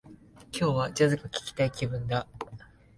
今日は、ジャズが聞きたい気分だ